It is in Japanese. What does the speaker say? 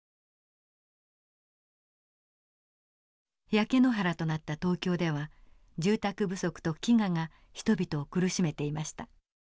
焼け野原となった東京では住宅不足と飢餓が人々を苦しめていました。